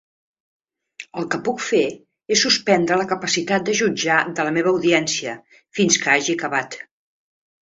El que puc fer és suspendre la capacitat de jutjar de la meva audiència fins que hagi acabat.